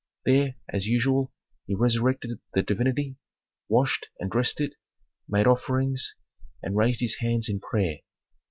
There, as usual, he resurrected the divinity, washed and dressed it, made offerings, and raised his hands in prayer.